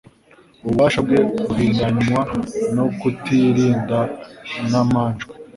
Ububasha bwe buhindanywa no kutirinda n'amanjwe,